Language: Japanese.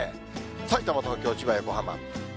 さいたま、東京、千葉、横浜。